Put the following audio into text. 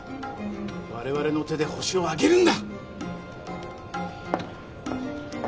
我々の手でホシを挙げるんだ！